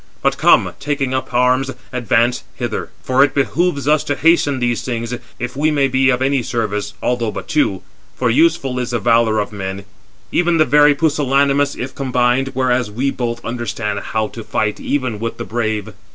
But come, taking up arms, advance hither; for it behoves us to hasten these things, if we may be of any service, although but two; for useful is the valour of men, even the very pusillanimous, if combined, whereas we both understand how to fight even with the brave."